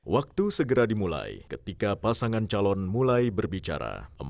waktu segera dimulai ketika pasangan calon mulai berbicara